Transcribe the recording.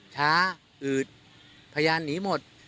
ช้าอืดพยานหนีหมด